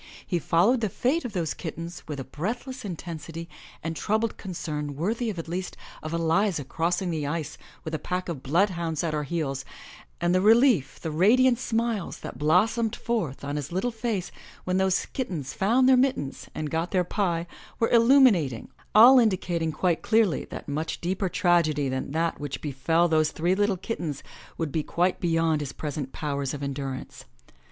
He followed the fate of those kittens with a breathless intensity and troubled concern worthy at least of Eliza crossing the ice with a pack of bloodhounds at her heels, and the relief, the radiant smiles that blossomed forth on his little face when those kittens found their mittens and got their pie were illuminating, all indicating quite clearly that much deeper tragedy than that which befell those three little kittens would be quite beyond his present powers of endurance.